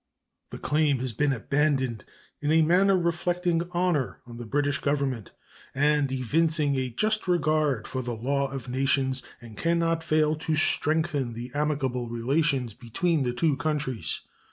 The claim has been abandoned in a manner reflecting honor on the British Government and evincing a just regard for the law of nations, and can not fail to strengthen the amicable relations between the two countries.